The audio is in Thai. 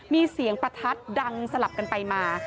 มีเสียงประทัดดังสลับกันไปมา